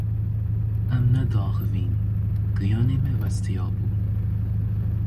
Em nediaxivîn, giyanê me westiya bû.